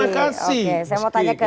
oke saya mau tanya ke